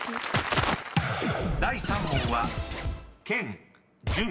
［第３問は］